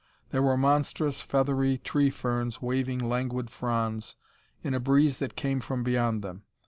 There were monstrous, feathery tree ferns waving languid fronds in a breeze that came from beyond them.